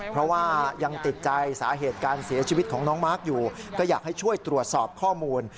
เพราะว่ายังติดใจสาเหตุการเสียชีวิตของน้องมาร์คอยู่ก็อยากให้ช่วยตรวจสอบข้อมูล